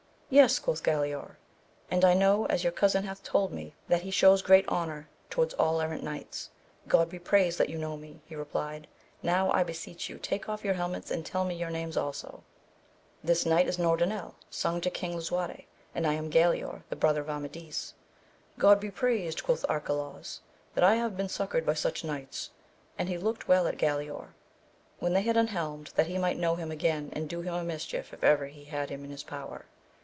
Yes, quoth Galaor, and I know, as your cousin hath told me, that he shews great honour to wards all errant knights. God be praised that you know me ! he replied, now I beseech you take off your helmets and tell me your names also. This knight is Norandel, son to King Lisuarte, and I am Galaor the brother of Amadis. God be praised, quoth Arcalaus, that I have been succoured by such knights ! and he looked well at Galaor, when they had un helmed, that he might know him again and do him a mischief if ever he had him in his power.